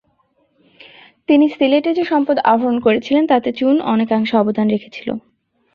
তিনি সিলেটে যে সম্পদ আহরণ করেছিলেন তাতে চুন অনেকাংশে অবদান রেখেছিল।